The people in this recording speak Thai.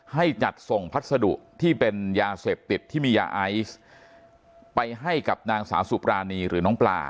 ให้จัดส่งพัสดุที่เป็นยาเสพติดที่มียาไอซ์ไปให้กับนางสาวสุปรานีหรือน้องปลา